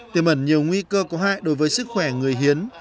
tiềm ẩn nhiều nguy cơ có hại đối với sức khỏe người hiến